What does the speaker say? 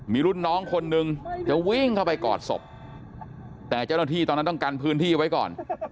มีรุ่นน้องคนนึงจะวิ่งเข้าไปกอดศพแต่เจ้าหน้าที่ตอนนั้นต้องกันพื้นที่ไว้ก่อน